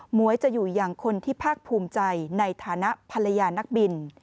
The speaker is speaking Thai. หวยจะอยู่อย่างคนที่ภาคภูมิใจในฐานะภรรยานักบิน